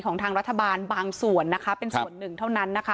ของทางรัฐบาลบางส่วนเป็นส่วนหนึ่งเท่านั้น